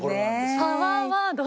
パワーワード。